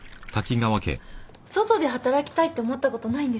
外で働きたいって思ったことないんですか？